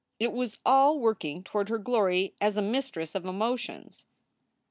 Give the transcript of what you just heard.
It was all working toward her glory as a mistress of emotions.